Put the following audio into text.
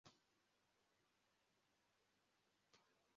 Imbwa ebyiri zikina zirwanira kumusenyi